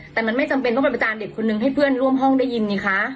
แต่มันไม่จำเป็นต้องไปประจานเด็กคนนึงให้เพื่อนร่วมห้องได้ยินไงคะ